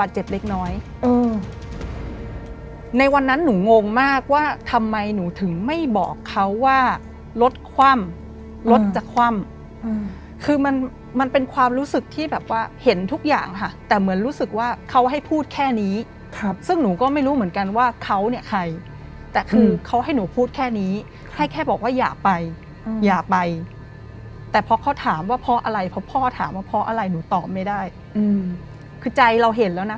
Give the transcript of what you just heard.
เจ็บเล็กน้อยในวันนั้นหนูงงมากว่าทำไมหนูถึงไม่บอกเขาว่ารถคว่ำรถจะคว่ำคือมันมันเป็นความรู้สึกที่แบบว่าเห็นทุกอย่างค่ะแต่เหมือนรู้สึกว่าเขาให้พูดแค่นี้ซึ่งหนูก็ไม่รู้เหมือนกันว่าเขาเนี่ยใครแต่คือเขาให้หนูพูดแค่นี้ให้แค่บอกว่าอย่าไปอย่าไปแต่พอเขาถามว่าเพราะอะไรเพราะพ่อถามว่าเพราะอะไรหนูตอบไม่ได้คือใจเราเห็นแล้วนะ